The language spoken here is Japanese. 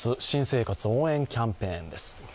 新生活応援キャンペーンです。